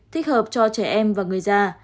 thích hợp cho trẻ em và người già